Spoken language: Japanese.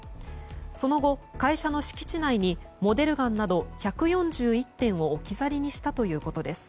その後、会社の敷地内にモデルガンなど１４１点を置き去りにしたということです。